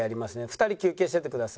「２人休憩しててください」。